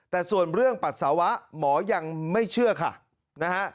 แต่ส่วนเรื่องปัสสาวะหมอยังไม่เชื่อค่ะนะฮะ